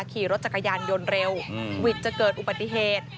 ขี่รถจักรยานยนต์เร็ววิทย์จะเกิดอุบัติเหตุ